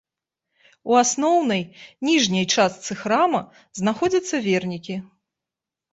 У асноўнай, ніжняй частцы храма знаходзяцца вернікі.